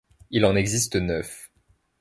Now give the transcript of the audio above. Il en existe neuf.